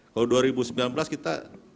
kalau dua ribu sembilan belas kita